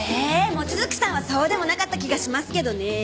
望月さんはそうでもなかった気がしますけどね。